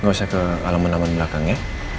gak usah ke alaman alaman belakang ya